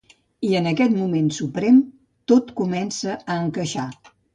I en aquest moment suprem tot comença a encaixar.